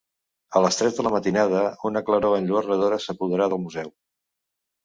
A les tres de la matinada una claror enlluernadora s'apodera del museu.